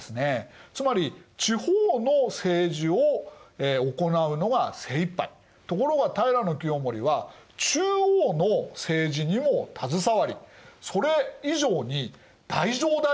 つまりところが平清盛は中央の政治にも携わりそれ以上に太政大臣